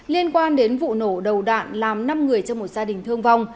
liên quan đến vụ nổ đầu đạn làm năm người trong một gia đình thương vong